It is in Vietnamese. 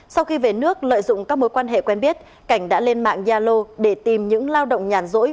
sau khi về nước lợi dụng các mối quan hệ quen biết cảnh đã lên mạng yalo để tìm những lao động nhàn rỗi